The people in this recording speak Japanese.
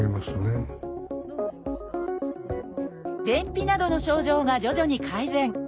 便秘などの症状が徐々に改善。